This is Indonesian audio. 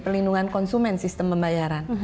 pelindungan konsumen sistem pembayaran